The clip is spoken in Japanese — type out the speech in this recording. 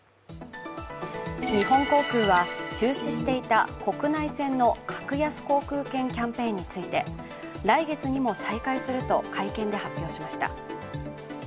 日本航空は、中止していた国内線の格安航空券キャンペーンについて、来月にも再開すると会見で発表しました。